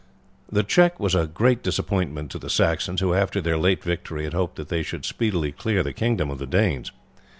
This check was a great disappointment to the Saxons, who after their late victory had hoped that they should speedily clear the kingdom of the Danes.